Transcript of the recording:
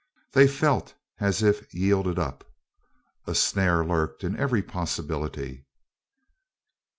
They felt as if yielded up. A snare lurked in every possibility.